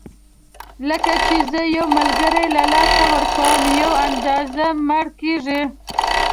کله چې زه یو ملګری له لاسه ورکوم یوه اندازه مړ کېږم.